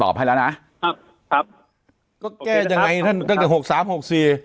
ตอบให้แล้วนะครับก็แก้ยังไงนั่นตั้งแต่หกสามหกสี่